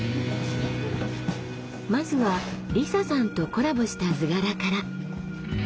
まずはりささんとコラボした図柄から。